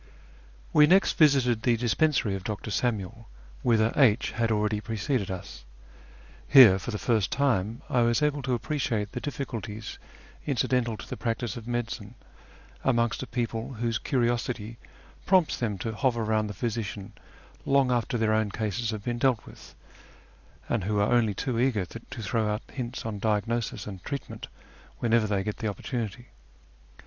We next visited the dispensary of Dr. Samuel, whither H had already preceded us. Here for the first time I was able to appreciate the difficulties incidental to the practice of medicine amongst a people whose curiosity prompts them to hover round the physician long after their own cases have been dealt with, and who are only too eager to throw out hints on diagnosis and treatment whenever they get the oppor tunity.